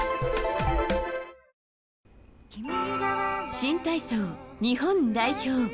新体操日本代表